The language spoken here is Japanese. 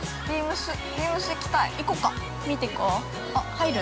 ◆入る？